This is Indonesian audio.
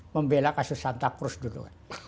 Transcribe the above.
membela kasus santa cruz dulu kan